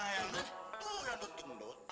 ayah itu yang doting doting